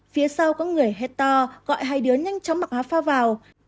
phía sau có người hét to gọi hay đứa nhanh chóng mặc áo phao vào